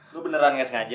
lo beneran enggak sengaja